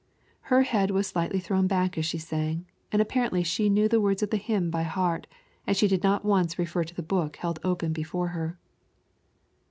Her head was slightly thrown back as she sang, and apparently she knew the words of the hymn by heart, as she did not once refer to the book held open before her.